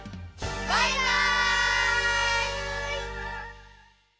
バイバイ！